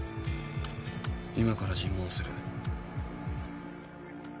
今から尋問する。